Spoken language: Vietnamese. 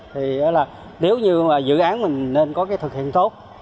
thì nếu như mà dự án mình nên có cái thực hiện tốt